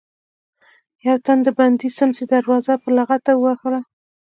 يو تن د بندې سمڅې دروازه په لغته ووهله.